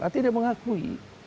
artinya dia mengakui